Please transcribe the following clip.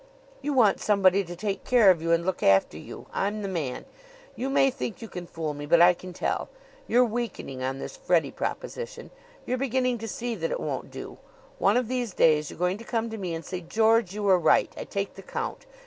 "You want somebody to take care of you and look after you. I'm the man. You may think you can fool me; but I can tell. You're weakening on this Freddie proposition. You're beginning to see that it won't do. One of these days you're going to come to me and say: 'George, you were right. I take the count.